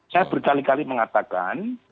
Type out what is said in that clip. saya berkali kali mengatakan